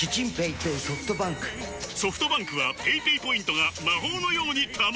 ソフトバンクはペイペイポイントが魔法のように貯まる！